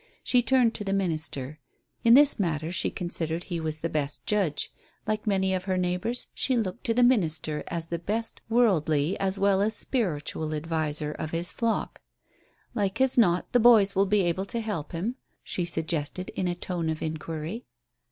She turned to the minister. In this matter she considered he was the best judge. Like many of her neighbours, she looked to the minister as the best worldly as well as spiritual adviser of his flock. "Like as not the boys will be able to help him?" she suggested, in a tone of inquiry.